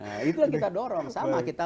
nah itu yang kita dorong sama kita